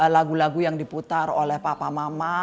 lagu lagu yang diputar oleh papa mama